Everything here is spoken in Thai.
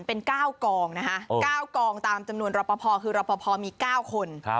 เป็น๙กองนะคะ๙กองตามจำนวนรอปภคือรอปภมี๙คน